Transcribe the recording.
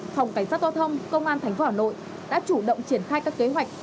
phòng cảnh sát giao thông công an thành phố hà nội đã chủ động triển khai các kế hoạch